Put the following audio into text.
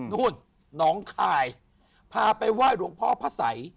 นู่นหนองคายพาไปไหว้หลวงพ่อพระสัย